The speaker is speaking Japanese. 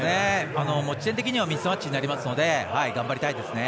持ち点的にはミスマッチになりますので頑張りたいですね。